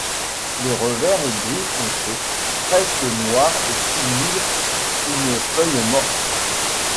Le revers est gris foncé presque noir et simule une feuille morte.